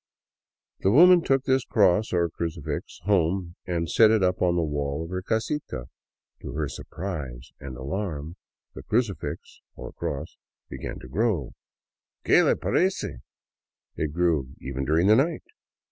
The woman took this cross — or crucifix — home and set it up on the wall of her casita. To her surprise and alarm, the crucifix — or cross — began to grow. " Que le parece !'' It grew even during the night